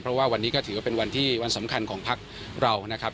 เพราะว่าวันนี้ก็ถือว่าเป็นวันที่วันสำคัญของพักเรานะครับ